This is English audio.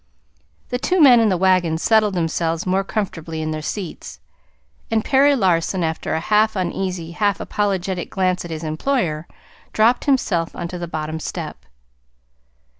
The two men in the wagon settled themselves more comfortably in their seats, and Perry Larson, after a half uneasy, half apologetic glance at his employer, dropped himself onto the bottom step.